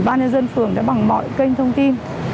ban nhân dân phường đã bằng mọi kênh thông tin